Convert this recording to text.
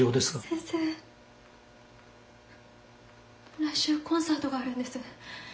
来週コンサートがあるんです。